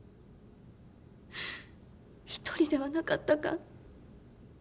１人ではなかったか。